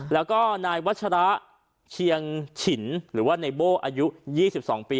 แล้วก็นายวัชระเชียงฉินหรือว่าในโบ้อายุ๒๒ปี